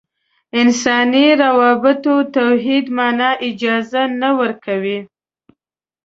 انساني روابطو توحید معنا اجازه نه ورکوو.